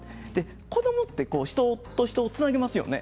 子どもって人と人をつなぎますよね。